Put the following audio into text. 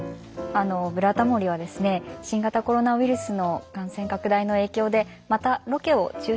あの「ブラタモリ」はですね新型コロナウイルスの感染拡大の影響でまたロケを中止していますよね。